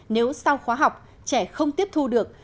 nếu sau khóa học trẻ không tiếp thu được